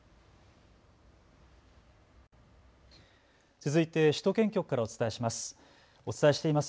続いて首都圏局からお伝えします。